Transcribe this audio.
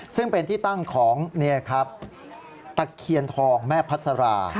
ซึ่งเป็นที่ตั้งของตะเคียนทองแม่พัสรา